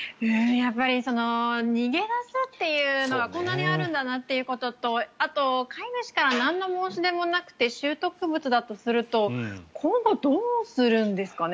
やっぱり逃げ出すというのがこんなにあるんだなというのとあと、飼い主からなんの申し出もなくて拾得物だとすると今後、どうするんですかね。